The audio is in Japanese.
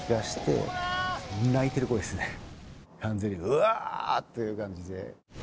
・うあ！っていう感じで。